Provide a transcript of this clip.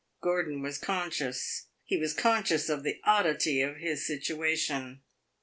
Gordon was conscious he was conscious of the oddity of his situation.